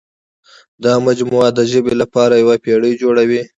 دا مجموعه د ژبې لپاره یوه پېړۍ جوړوي.